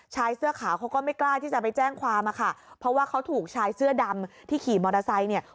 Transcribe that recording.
ชายเสื้อขาวเขาก็ไม่กล้าที่จะไปแจ้งความอะค่ะเพราะว่าเขาถูกชายเสื้อดำที่ขี่มอเตอร์ไซค์เนี่ย